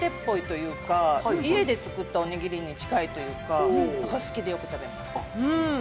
握りたてっぽいっていうか、家で作ったおにぎりに近いというか、好きでよく食べます。